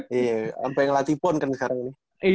iya ampe yang latih pon kan sekarang ini